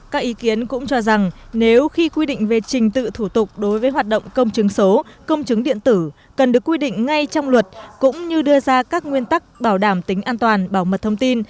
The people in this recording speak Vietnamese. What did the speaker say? các ý kiến cũng cho rằng nếu khi quy định về trình tự thủ tục đối với hoạt động công chứng số công chứng điện tử cần được quy định ngay trong luật cũng như đưa ra các nguyên tắc bảo đảm tính an toàn bảo mật thông tin